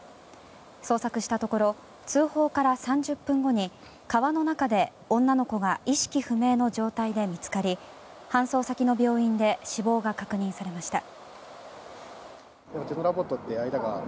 捜索したところ通報から３０分後に川の中で、女の子が意識不明の状態で見つかり搬送先の病院で死亡が確認されました。